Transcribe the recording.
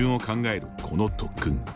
この特訓。